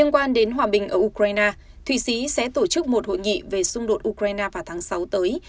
hòa đến hòa bình ở ukraine thụy sĩ sẽ tổ chức một hội nghị về xung đột ukraine vào tháng sáu tới